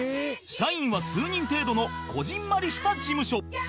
社員は数人程度のこぢんまりした事務所